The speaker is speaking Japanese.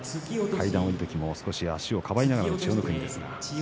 階段を下りる時も少し足をかばいながらの千代の国です。